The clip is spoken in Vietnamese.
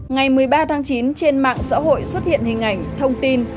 ngày một mươi ba tháng chín trên mạng xã hội xuất hiện hình ảnh thông tin